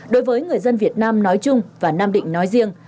đối với người dân việt nam nói chung và nam định nói riêng